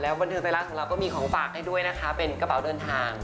แล้วบันทึกในร้านของเราก็มีของฝากให้ด้วยนะคะเป็นกระเป๋าเดินทาง